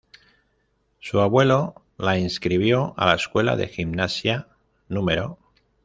Su abuelo la inscribió a la Escuela de Gimnasia No.